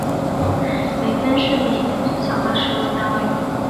美分是美元最小的使用单位。